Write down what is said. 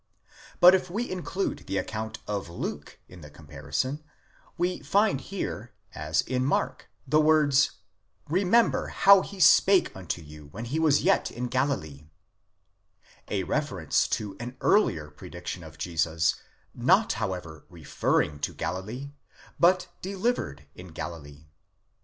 41 But if we include the account of Luke in the comparison, we find here, as in Mark, the words: remember how he spake unto you when he was yet in Galilee, μνήσθητε, ὡς ἐλάλησεν ὑμῖν ἔτι dv ἐν τῇ Γαλιλαίᾳ, a reference to an earlier prediction of Jesus, not however referring to Galilee, but delivered in Galilee.